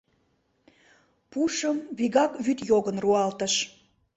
Пушым вигак вӱд йогын руалтыш.